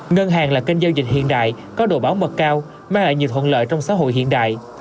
ngân hàng là kênh giao dịch hiện đại có độ bảo mật cao mang lại nhiều thuận lợi trong xã hội hiện đại